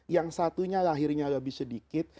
yang satunya lahirnya lebih sedikit